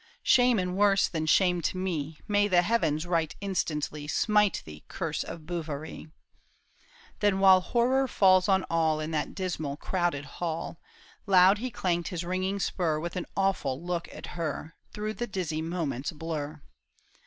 " Shame and worse than shame to me, May the heavens right instantly Smite thee, curse of Bouverie !" Then while horror falls on all In that dismal crowded hall, Loud he clanked his ringing spur With an awful look at her, Through the dizxy moment's blur.